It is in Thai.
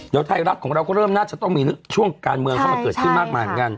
เดี๋ยวไทยรัฐของเราก็เริ่มน่าจะต้องมีช่วงการเมืองเข้ามาเกิดขึ้นมากมายเหมือนกัน